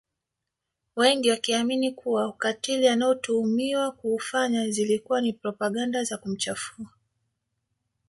Wengi wakiamini kuwa ukatili anaotuhumiwa kuufanya zilikuwa ni propaganda za kumchafua